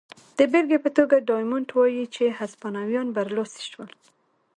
د بېلګې په توګه ډایمونډ وايي چې هسپانویان برلاسي شول.